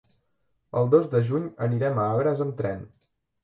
El dos de juny anirem a Agres amb tren.